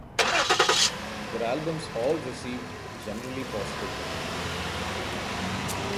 Their albums all received generally positive reviews.